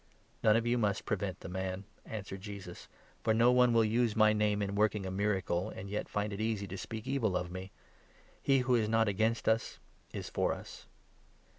"None of you must prevent the man," answered Jesus, 39 " for no one will use my name in working a miracle, and yet find it easy to speak evil of me. He who is not against 40 us is for us.